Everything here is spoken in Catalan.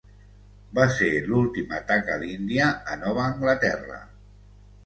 Va ser l'últim atac a l'Índia a Nova Anglaterra.